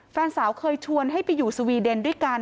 แฟนสาวเคยชวนให้ไปอยู่สวีเดนด้วยกัน